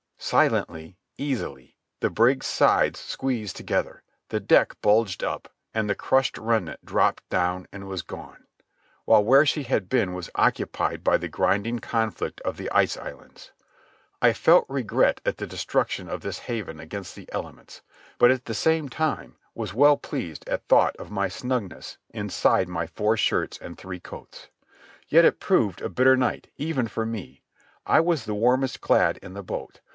Silently, easily, the brig's sides squeezed together, the deck bulged up, and the crushed remnant dropped down and was gone, while where she had been was occupied by the grinding conflict of the ice islands. I felt regret at the destruction of this haven against the elements, but at the same time was well pleased at thought of my snugness inside my four shirts and three coats. Yet it proved a bitter night, even for me. I was the warmest clad in the boat.